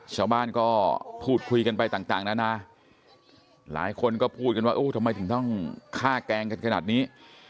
ชาวบ้านก็พูดคุยกันไปต่างนานาหลายคนก็พูดกันว่าทำไมถึงต้องฆ่าแกล้งกันขนาดนี้